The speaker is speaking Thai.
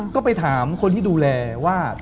ก็ไปถามคนที่ดูแลว่า